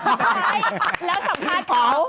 ใช่แล้วสัมภาษณ์เขา